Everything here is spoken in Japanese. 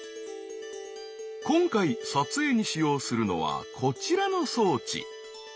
今回撮影に使用するのはこちらの装置。